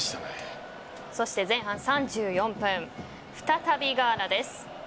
そして前半３４分再びガーナです。